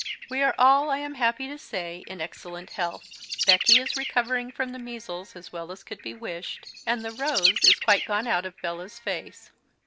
We are All, I am happy to Say, in excellent Health. Becky is recovering from the Measles as well as could be Wished, and the Rose is quite gone out of Bella's Face.